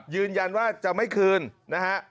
ยืนยันว่าจะไม่คืนนะฮะ